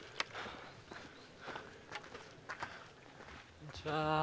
こんにちは。